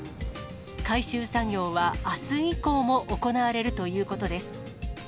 回収作業は、あす以降も行われるということです。